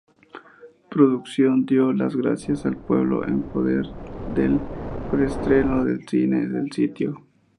Producción dio las gracias al pueblo, en poder del preestreno de cine del sitio.